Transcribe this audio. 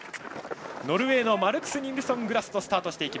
ノルウェーのマルクス・ニルソングラストがスタート。